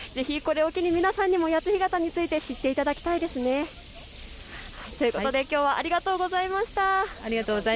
ぜひこれを機に皆さんにも谷津干潟について知っていただきたいですね。ということで、きょうはありがとうございました。